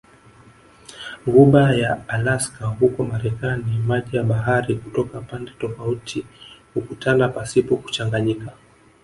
Ghuba ya Alaska huko Marekani maji ya bahari kutoka pande tofauti hukutana pasipo kuchanganyika